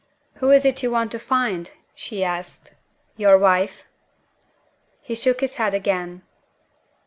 "Who is it you want to find?" she asked. "Your wife?" He shook his head again.